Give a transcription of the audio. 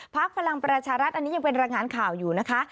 พลังประชารัฐอันนี้ยังเป็นรายงานข่าวอยู่นะคะ